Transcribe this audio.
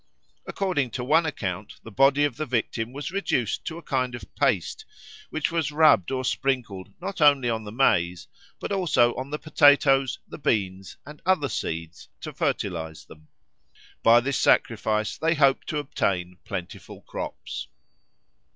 According to one account the body of the victim was reduced to a kind of paste, which was rubbed or sprinkled not only on the maize but also on the potatoes, the beans, and other seeds to fertilise them. By this sacrifice they hoped to obtain plentiful crops.